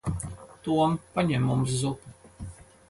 Tom. Paņem mums zupu.